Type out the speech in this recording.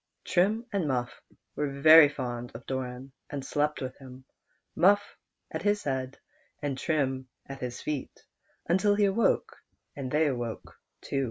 Trim and Muff were very fond of Doran, and slept with him, Muff at his head, and Trim at his feet, until he awoke, and then they woke too.